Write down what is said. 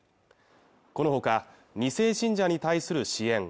このほか２世信者に対する支援